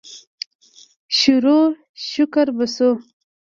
شېروشکر به شو.